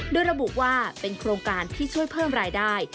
โดยระบุว่าเป็นโครงการที่ช่วยเพิ่มรายได้